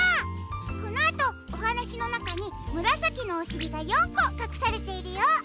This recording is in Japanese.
このあとおはなしのなかにむらさきのおしりが４こかくされているよ。